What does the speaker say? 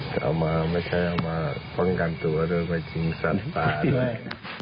เข้ามาไม่ใช่เข้ามาเพิ่งกันตัวโดยไม่คิดสัตว์ปากเลย